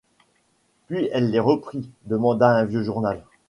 Puis elle les reprit, demanda un vieux journal.